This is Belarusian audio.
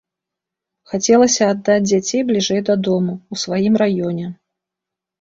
Хацелася аддаць дзяцей бліжэй да дому, у сваім раёне.